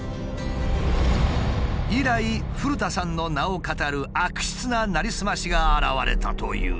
以来古田さんの名をかたる悪質ななりすましが現れたという。